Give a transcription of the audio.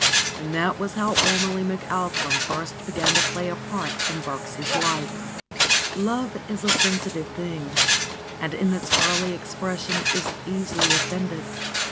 And that was how Ormelie McAlpin first began to play a part in Birksie's life. Love is a sensitive thing and in its early expression is easily offended.